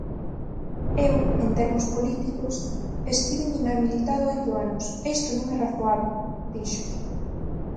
Eu, en termos políticos, estiven inhabilitado oito anos e isto non é razoable, dixo.